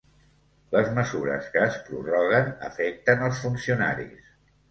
Les mesures que es prorroguen afecten els funcionaris.